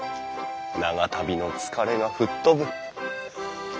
長旅の疲れが吹っ飛ぶ。